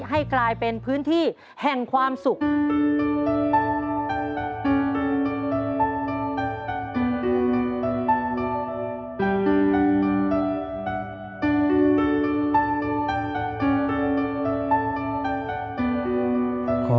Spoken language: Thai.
ให้กลายเป็นพื้นที่แห่งความสุข